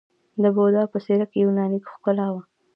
د بودا په څیره کې یوناني ښکلا وه